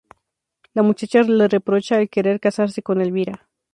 La muchacha le reprocha el querer casarse con Elvira.